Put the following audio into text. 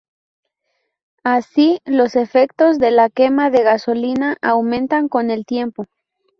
Así, los efectos de la quema de gasolina aumentan con el tiempo.